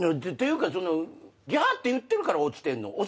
ていうかギャーって言ってるから落ちてるの？